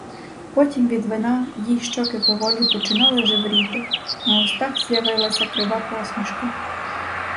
Потім від вина їй щоки поволі починали жевріти, на устах з'явилася крива посмішка.